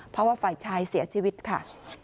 เพราะว่าฝ่ายชายเสียชีวิตค่ะ